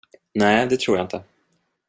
Nej, det tror jag inte.